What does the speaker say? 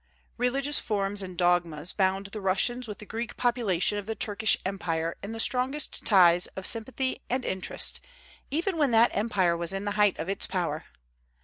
Religious forms and dogmas bound the Russians with the Greek population of the Turkish empire in the strongest ties of sympathy and interest, even when that empire was in the height of its power.